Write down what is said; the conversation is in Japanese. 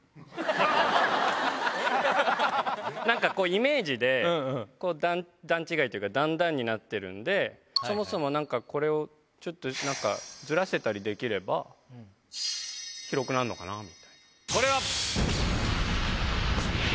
イメージで段違いというか段々になってるんでそもそもこれをずらしたりできれば広くなるのかな。えっ？